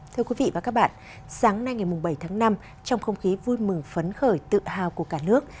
thưa quý vị và các bạn sáng nay ngày bảy tháng năm trong không khí vui mừng phấn khởi tự hào của cả nước